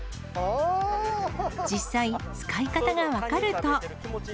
実際、使い方が分かると。